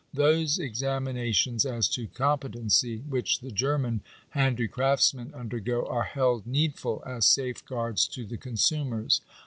Those examinations as to competency which the German handicraftsmen undergo, are held needful, as safeguards to the consumers.